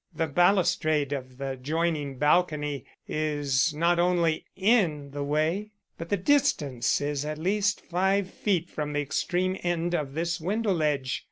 "The balustrade of the adjoining balcony is not only in the way, but the distance is at least five feet from the extreme end of this window ledge.